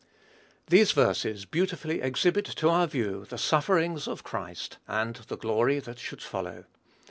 These verses beautifully exhibit to our view "the sufferings of Christ and the glory that should follow."